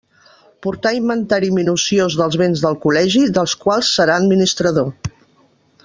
Portar inventari minuciós dels béns del Col·legi, dels quals serà administrador.